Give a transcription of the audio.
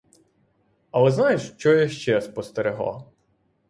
Але знаєш, що я ще спостерегла?